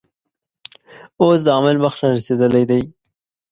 اوس د عمل وخت رارسېدلی دی.